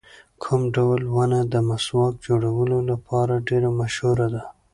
کوم ډول ونه د مسواک جوړولو لپاره ډېره مشهوره ده؟